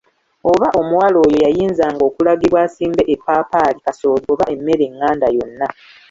Oba omuwala oyo yayinzanga okulagibwa asimbe eppaapaali, kasooli, oba emmere enganda yonna.